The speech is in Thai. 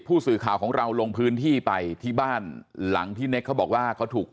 ผู้สื่อข่าวของเราลงพื้นที่ไปที่บ้านหลังที่เน็กเขาบอกว่าเขาถูก